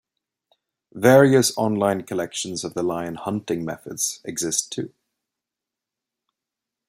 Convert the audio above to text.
Various online collections of the lion hunting methods exist too.